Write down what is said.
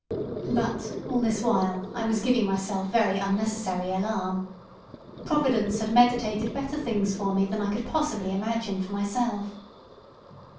But, all this while, I was giving myself very unnecessary alarm. Providence had meditated better things for me than I could possibly imagine for myself.